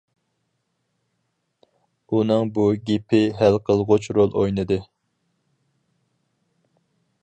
ئۇنىڭ بۇ گېپى ھەل قىلغۇچ رول ئوينىدى.